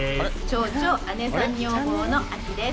超超姉さん女房のアキです。